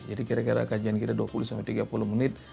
jadi kira kira kejian kita dua puluh tiga puluh menit